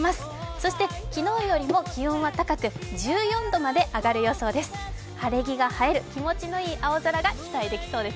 そして昨日よりも気温が高く１４度まで上がる予想です。